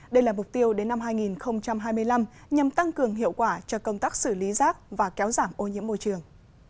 đây là mục tiêu đến năm hai nghìn hai mươi năm nhằm tăng cường hiệu quả cho công tác xử lý rác và kéo giảm ô nhiễm môi trường